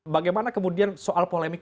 bagaimana kemudian soal polemik